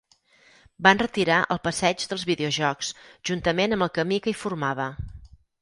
Van retirar el Passeig dels videojocs, juntament amb el camí que hi formava.